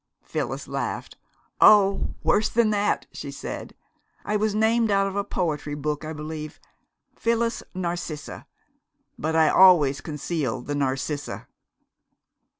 Phyllis laughed. "Oh, worse than that!" she said. "I was named out of a poetrybook, I believe Phyllis Narcissa. But I always conceal the Narcissa."